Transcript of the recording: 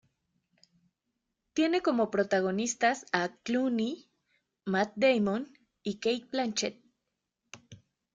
Tiene como protagonistas a Clooney, Matt Damon y Cate Blanchett.